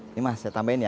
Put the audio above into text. ini mas saya tambahin ya